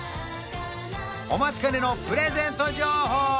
お待ちかねのプレゼント情報